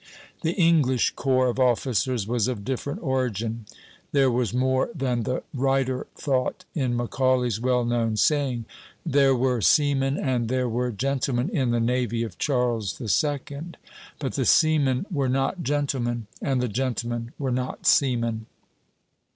The English corps of officers was of different origin. There was more than the writer thought in Macaulay's well known saying: "There were seamen and there were gentlemen in the navy of Charles II.; but the seamen were not gentlemen, and the gentlemen were not seamen."